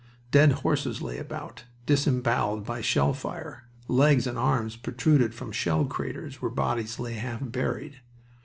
Dead horses lay about, disemboweled by shell fire. Legs and arms protruded from shell craters where bodies lay half buried.